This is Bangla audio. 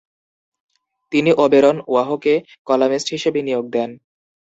তিনি ওবেরন ওয়াহকে কলামিস্ট হিসেবে নিয়োগ দেন।